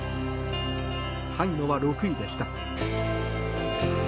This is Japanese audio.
萩野は６位でした。